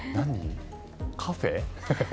カフェ？